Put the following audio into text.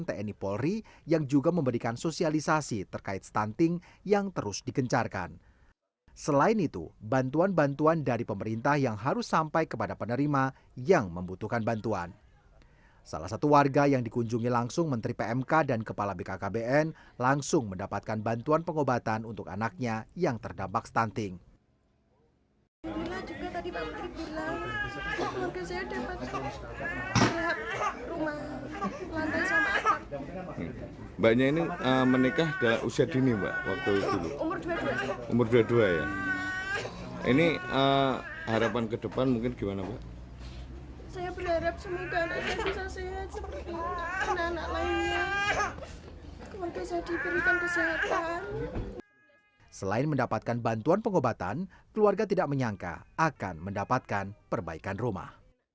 aga tidak menyangka akan mendapatkan perbaikan rumah